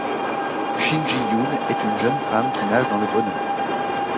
Shin Ji-Hyun est une jeune femme qui nage dans le bonheur.